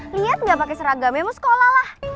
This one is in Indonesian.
liat gak pake seragam emoskola lah